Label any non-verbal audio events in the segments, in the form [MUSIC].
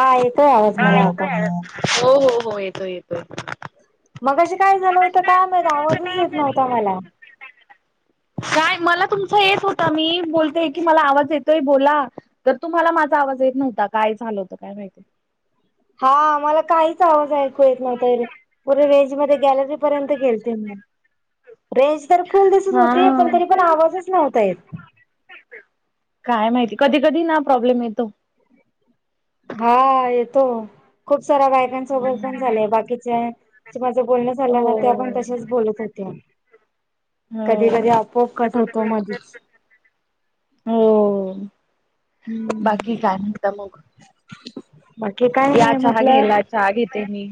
हा येतोय आवाज मला आता हो हो हो येतोय येतोय येतो मग अशी काय झालं होतं काय मात आवाजच येत नव्हता मला काय मला तुमचा येत होता मी बोलतेय की मला आवाज येतोय बोला तर तुम्हाला माझा आवाज येत नव्हता काय झालं होतं काय माहिती हा मला काहीच आवाज ऐकू येत नव्हता पे वहेज मध्ये गॅलरीपर्यंत रेंज तर फुल दिसत होते पण तरी हा. पण आवाजच नव्हता य काय माहिती कधी कधी ना प्रॉब्लेम येतो हा येतो खूप सऱ्या बायकांसोबत पण झाले बाकीच्या माझं बोलणं झालं ना ते हो. आपण तशच बोलत होते कधी कधी हो आपोआप कटवतो मधच हो बाकी काय नता मग बाकी काय या नाही चहा म्हटलं घ्यायला चहा घेते मी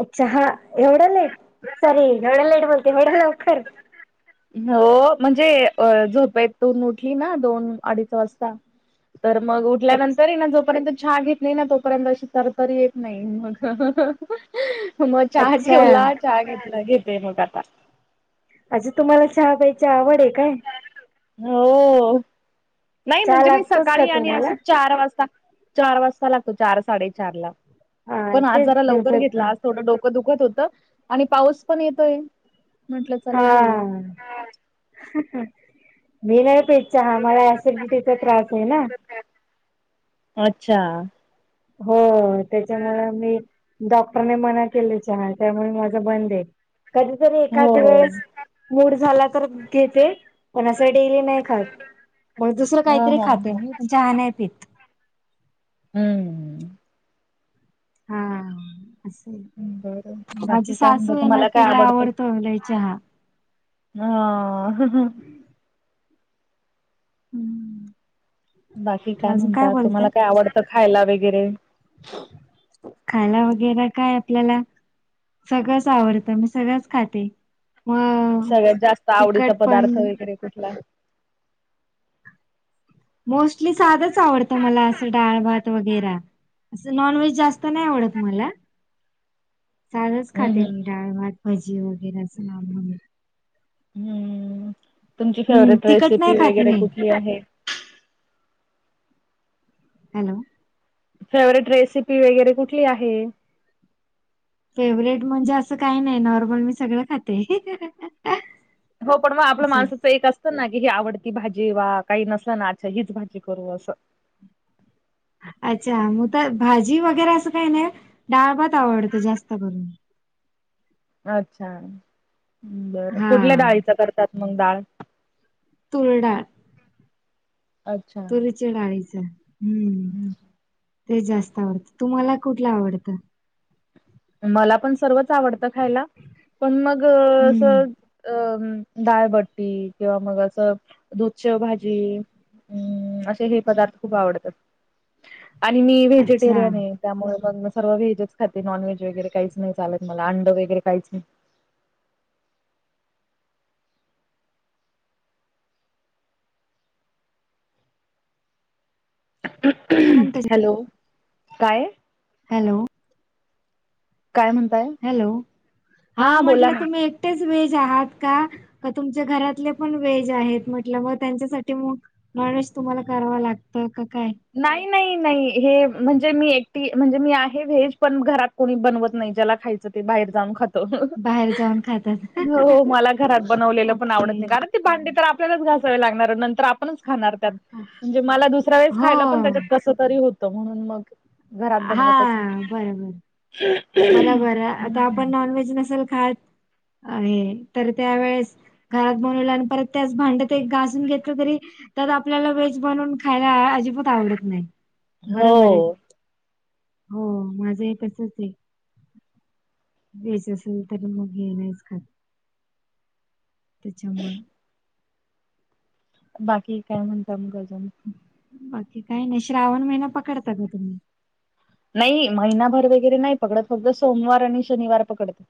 अच्छा हा एवढं लेट सॉरी एवढं लेट बोलते एवढं लवकर हो म्हणजे अ झोप येत तून उठली ना दोन अडीच वाजता तर मग उठल्यानंतर ना जोपर्यंत छहा घेत नाही ना तोपर्यंत अशी तरतरी येत नाही मग मग चहा अच्छा ठेवला ग घेते मु काता अजे तुम्हाला चहा प्यायची आवड आहे काय हो नाही चहा म्हणजे मी लागतोच का सकाळी आणि तुम्हाला? असे चार वाजता चार वाजता लागतो चार साडेचार ला हा पण तेच आजारा लवकर दिवसातून घेतला आज थोडं डोकं दुखत होतं आणि पाऊस पण येतोय म्हंटलं हा चला घेऊया मी नाही पेचाहा मला सिडिटीचा त्रास आहे ना अच्छा हो त्याच्यामुळे मी डॉक्टरने मना केली चहा त्यामुळे माझं बंद आहे कधीतरी एका हो दिवस मूड झाला तर घेते पण असं डेली नाही खात ब दुसरं हो काहीतरी हो खाते हो मी तुमच्या हान आहे पीित हम्म हा अस बरं बाकी माझी काय सासू म्हणत आहे ना तुम्हाला काय तिला आवडतो अलाय चहा हा हम्म बाकी काय अजून म्हणतात तुम्हाला बोलताय? काय आवडतं खायला वगैरे खायला वगैरे काय आपल्याला सगळंच आवडतं मी सगळंच खाते मग सगळ्यात जास्त आवडीचा तिखट पण पदार्थ वगैरे कुठला मोस्टली साधच आवडतं मला असं डाळ भात वगैरे असं नॉनव्हेज जास्त नाही आवडत मला साधच हम् खाते मी हम् डाळभात भजी वगैरे अस ना हम्म तुमची हम्म फेवरेट तिखट नाही रेसिपी खात वगैरे मी कुठली आहे हॅलो फेवरेट रेसिपी वगैरे कुठली आहे. फेवरेट म्हणजे असं काही नाही. नॉर्मल मी सगळं खाते हो पण मग आपलं असं माणसाच एक अस ना की ही आवडती भाजी वा काही नसल ना अ् हीच भाजी करू असं. अच्छा मग तर भाजी वगैरे असं काही नाही. डाळबात आवडतं जास्त करून अच्छा बरं हा कुठल्या डाळीच करतात. मग डाळ तुरडाळ अच्छा डळीच हम् ते जास्त आवडतं तुम्हाला कुठला आवडतं मला पण सर्वच आवडतं खायला पण मग अस हम्म अं दाळबट्टी किंवा मग असं दुधचीव भाजी हम्म असे हे पदार्थ खूप आवडतात. आणि मी अच्छा व्हेजिटेरियन आहे. त्यामुळे मग सर्व व्हेजच खाते नॉन व्हेज काहीच नाही चालत म अंड वगैरे काहीच नाही. ते पण तसे. हॅलो काय हॅलो काय म्हणताय हॅलो हा बोला म्हटलं ना तुम्ही एक तेच व्हेज आहात का तुमच्या घरातले पण व्हेज आहेत म्हटलं मग त्यांच्यासाठी मग नॉनव्हेज तुम्हाला करावं लागतं. का काय? नाही नाही नाही हे म्हणजे मी एक ती म्हणजे मी आहे. व्हेज पण घरात कोणी बनवत नाही ज्याला खायचं ते बाहेर जाऊन खात बाहेर जाऊन खातात हो मला घरात बनवलेलं पण ओके आवडत नाही. कारण भांडी तर आपल्यालाच घासावे लागणार नंतर आपणच खाणारत म्हणजे मला दुसऱ्या वेळे हो कस तरी होत म्हणून मग घरात हा बनवतच नाही. बरोबर बरोबर आहे आता आपण नॉन व्हेज नसेल. खात हे तर त्यावेेळेस घरात बनवलं आणि परत त्याच भांडत गाजून घेतलं तरी तर आपल्याला व्हेज बनवून खायला अजिबात आवडत नाही. बरोबर आहे हो हो माझं हे तसच आहे. व्हेज असेल तर मग हे नाहीच खात त्याच्यामुळे बाकी काय म्हणत मग अजून बाकी काही नाही श्रावण महिना पकडता ग तुम्ही नाही महिनाभर वगैरे नाही पकडत फक्त सोमवार आणि शनिवार पकडते.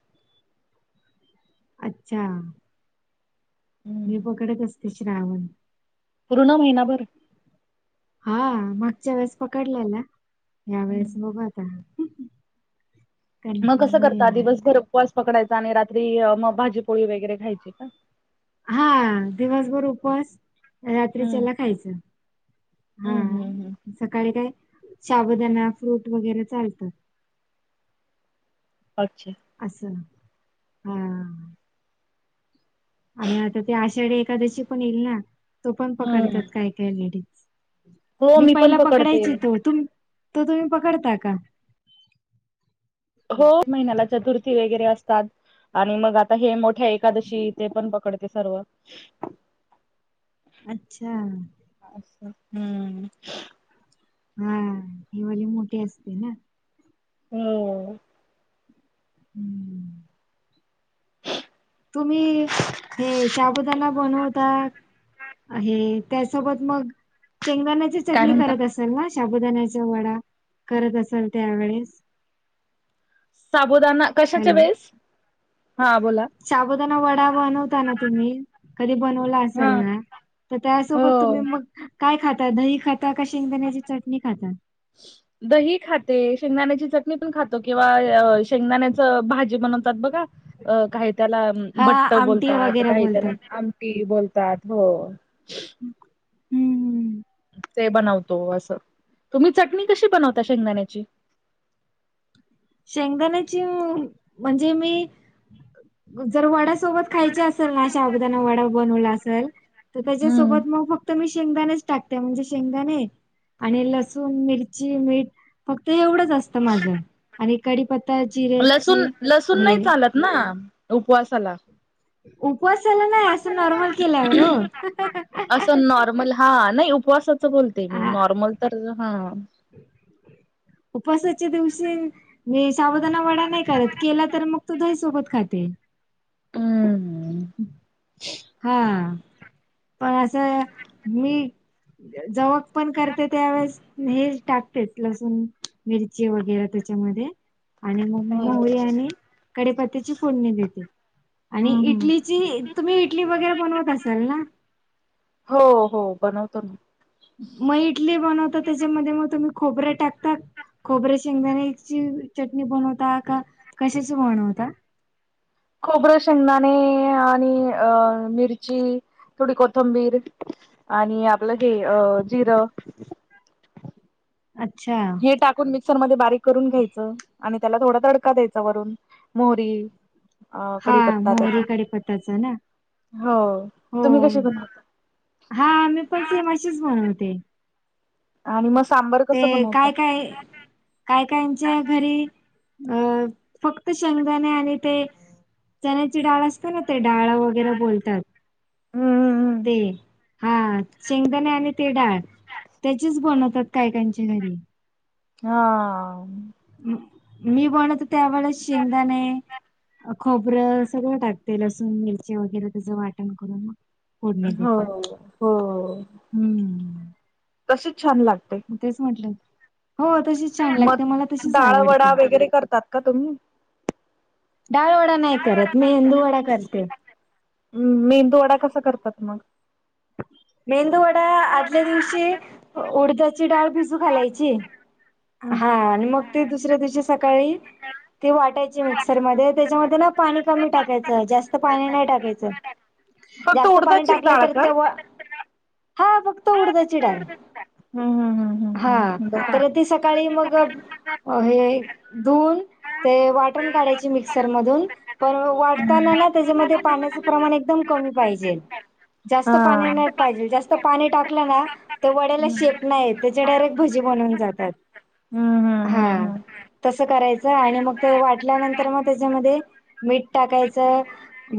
अच्छा हम्म. मी पकडत असते श्रावण पूर्ण महिनाभर हा मागच्या वेळेस पकडलेला. या वेळेस हम्म. बघ आता मग कन्फर्म कसं नाही करता एवढं. दिवस घरपवास पकडायचा आणि रात्री मग भाजीपोळी वगैरे खायची का हा दिवसभर उपस हम्म रात्रीच्याला खायचं हम्म हा हम् हम्म सकाळी काय साबुदाणा फ्रूट वगैरे चालतात. अच्छा असछा हा आणि आता ते आषाढी एखाद्याशी पण येईल ना तो पण हम्म पकडतात काय काय लेडीज हो मी पण पहिला पकडते पकडायची तो तुम तो तुम्ही पकडता का? हो महिन्याला चतुर्थी वगैरे असतात. आणि मग आता हे मोठ्या एकादशी इथे पण पकडते. सर्व अच्छा अचा हम्म हा हिवाळी मोठी असते ना हम्म हम्म तुम्ही हे शबुदाना बनवता आहे त्यासोबत मग चेंगदाण्याचे काय चटणी म्हणता करत असल ना शबुदाण्याचा वडा करत असेल त्यावेळेस साबुदाना कशाच्या वेळेस हा बोला शाबोदाना वडा बनवता ना तुम्ही कधी बनवला हा असाल ना तर त्यासोबत तुम्ही हो मग काय खाता दही खाता का शेंगदाण्याची चटणी खाता ह दही खाते शेंगदाण्याची चटणी पण खातो किंवा शेंगदाण्याच भाजी बनवतात बघा अ काही त्याला हा बट्ट आमटी बोलतात वगैरे काही त्याला बोलतात आमटी बोलतात हो हम्म हम्म ते बनवतो असं तुम्ही चटणी कशी बनवता शेंगदाण्याची शेंगदाण्याची म्हणजे मी जर वड्या सोबत खायच्या असेल ना अशा अबदना वडा बनवला असेल तर हम्म त्याच्यासोबत मग फक्त तर मी शेंगदाणेच टाकते म्हणजे शेंगदाणे आणि लसूण मिरची मीठ फक्त एवढंच असतं माझं आणि कडीीपत्ता जिऱ्याची लसूण लसूण हे नाही चालत ना उपवासाला उपवास झाला नाही असं नॉर्मल केल्यावर हो असं नॉर्मल हा नाही उपवासाच बोलते मी नॉर्मल तर हा उपसाच्या दिवशी म्ह सावधा वडा नाही करत केला तर मग तो दही सोबत खाते हम्म हा पण असं मी जवक पण करते त्यावेेळेस हे टाकतेच लसूण मिरची वगैरे त्याच्यामध्ये आणि मग हम्म मोहरी आणि कडेपत्ती्याची फोडणी देते आणि हम्म इटलीची तुम्ही इटली वगैरे बनवत असाल ना हो हो बनवतो मी मग इटली बनवता त्याच्यामध्ये मग तुम्ही खोबऱ्या टाकता खोबर्या शेंगदाणेची चटणी बनवता का कशाच बनवता खोबरं शेंगदाणे आणि अ मिरची थोडी कोथंबीर आणि आपलं घ अ जिरं अच्छा ते टाकून मिक्सर मध्ये बारीक करून घ्यायचं आणि त्याला थोडा तडका द्यायचा वरून मोरी अ कडी हां, पत्ता त्याचा मोहरी कडीपत्ताचं ना? हो तुम्ही कसे बम हा मी पण सीमाशीच बनवते आणि मग सांबर ते कसं बनवता काय काय काय कायच्या घरी अ फक्त शंगदाणे आणि ते चण्याची डाळ असते ना ते डाळ वगैरे बोलतात हम्म ते हा शेंगदाणे आणि ते डाळ त्याचीच बनवतात काय काच्या घरी हा मी बनत त्यावेेळेस शेंगदाणे खोबरं सगळं टाकते लसूण मिरची वगैरे त्याचं वाटण करून मग पुडणे हो तथे हो हम्म तशीच छान लागते म्ह हो त छ ला ाळ वडा वगैरे करतात का तुम्ही डाळ वडा नाही करत मी मंदू वडा करते म मेंदू डा कसा करतात मग मेंदू वडा आदल्या दिवशी उडजची डाळ भिजू खालायची हा आणि मग ते दुसऱ्या दिवशी सकाळी तेी वाटायची मिक्सरमध्येध्ये त्याच्यामध्ये ना पाणी कमी टाकायचं जास्त पाणी नाही टाकायचं फक्त जास्त पाणी उडदाचीच टाकलं डाळ तर का तेव्हा हा फक्त उडदा चिडा हम्म हम्म हम्म हा हम्म हम्म बरं. तर ते स सकाळी मग हे दोन ते वाटून काढायची मिक्सरमधून पण वाढताना हम्म. ना त्याच्यामध्ये पाण्याचं प्रमाण एकदम कमी पाहिजे जास्त हा. पाणी नाही पाहिजे जास्त पाणी टाकलं ना तर वड्याला हम्म. शेप नाही त्याचे डायरेक्ट भजी बनवून जातात हम्म हम्म हा हम्म तसं करायचं आणि मग ते वाटल्यानंतर मग त्याच्यामध्ये मीठ टाकायचं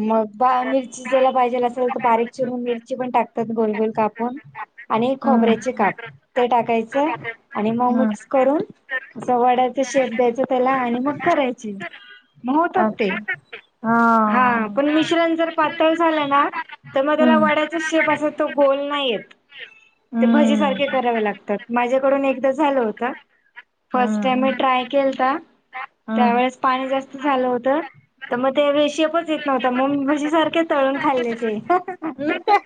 मग बा मिरची जला पाहिजेला असेल तर बारीक चिरून मिरची पण टाकते त गोल गोल कापून आणि हम्म खोबऱ्याचे काप हम्म. ते टाकायचं आणि मग हम्म. मिक्स करून असं वड्याचा शेप द्यायचा त्याला आणि मग करायचे होतच ते अच्छा हा पण मिश्रण जर झालं ना तर मग त्याला हम्म. वड्याचा शेप असे तो गोल नाही येत ते हम्म. भजीसारखे कराव लागतात माझ्याकडून एकदा झालं होतं फर्स्ट टाइम मी हम्म. ट्राय केलता हम्म. त्यावेेळेस पाणी जास्त झालं होत तर मग ते वेशीिपच येत नव्हतां मग म्हझी सारखे तळून खाल्लेचे नाही त्या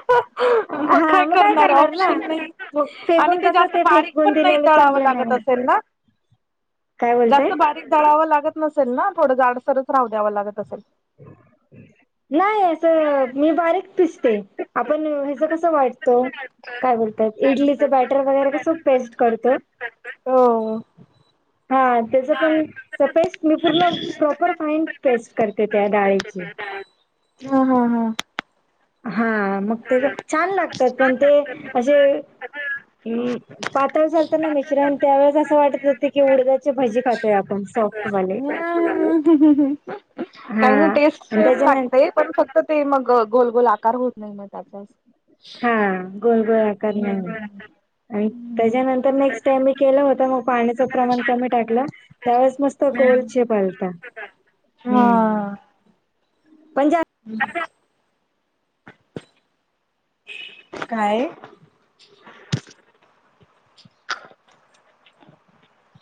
[INAUDIBLE] मग काय करणार आहे ऑप्शन नाही मग आणि फेकून ते कसं जास्त बारीक फेकून पण नाही दिलेलं तळावं चांगलं नाही लागत असेल ना ह काय बोलतय तळावं लागत नसेल ना थोडं जाडसरच राहू द्यावं लागत असेल नाही असं मी बारीक पसते आपण ह्याच कसं वाटतो काय बोलतात इडलीचं बॅटर वगैरे क सो पेस्ट करतो हो हा त्याच पण पेस्ट मी पूर्ण प्रॉपर फाईन पेस्ट करते ते त्या डाळीचे हा हा हा हा मग ते छान लागतात पण ते असे पातळ चालत ना मिश्रण त्यावेळेस असं वाटत होते की उडद्याची भाजी खातोय आपण सॉफ्ट मले ह ह् ह ह काही नाही हां टेस्ट आणि सेम त्याच्यानंतर लागतेय पण फक्त ते मग गोल गोल आकार होत नाही मग त्याचाच हा गोल गोोल आकार नाही आणि त्याच्यानंतर नेक्स्ट टाइम मी केलं होत मग पाण्याचं प्रमाण कमी टाकलं त्यावेस मस्त गोलचे पालता हा पंा ह काय [INAUDIBLE]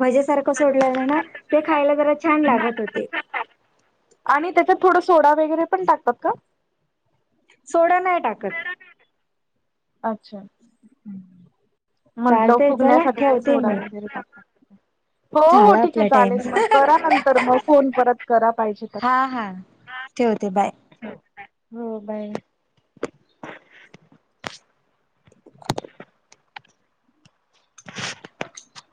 भजेसारखं सोडलं नाही ना ते खायला जरा छान लागत होते. आणि त्याच्यात थोडं सोडा वगैरे पण टाकतात का? सोडं नाही टाकत. अच्छा! हम्म म्हंलं फुगण्यासाठी काही सोडा वगैरे टक हो हो झाला ठीक आहे आपला टाइम. चालेल मग करा नंतर मग फोन परत करा पाहिजे तर. ठवते बाय! हो बाय. [UNINTELLIGIBLE] [UNINTELLIGIBLE]